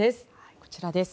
こちらです。